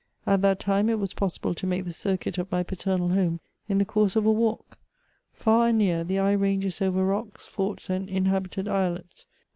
At that time it was possible to make the circuit of my paternal home in the course of a walk. Far and near, the eye ranges over rocks, forts, and inhabited islets.